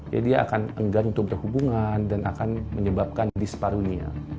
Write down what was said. jadi dia akan enggan untuk berhubungan dan akan menyebabkan disparunia